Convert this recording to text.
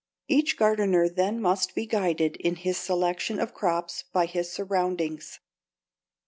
Each gardener then must be guided in his selection of crops by his surroundings.